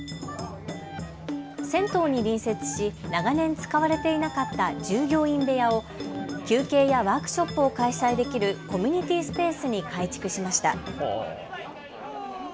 銭湯に隣接し長年、使われていなかった従業員部屋を休憩やワークショップを開催できるコミュニティースペースに改築しました。